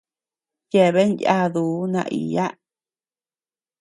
Yebean yáduu naiyaa.